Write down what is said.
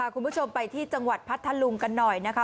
คุณผู้ชมไปที่จังหวัดพัทธลุงกันหน่อยนะคะ